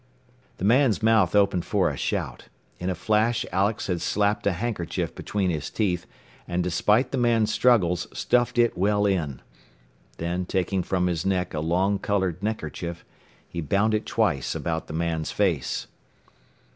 The man's mouth opened for a shout. In a flash Alex had slapped a handkerchief between his teeth, and despite the man's struggles stuffed it well in. Then, taking from his neck a long colored neckerchief, he bound it twice about the man's face.